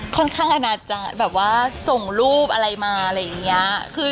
ค่อนข้างอนาจารย์แบบว่าส่งรูปอะไรมาอะไรอย่างนี้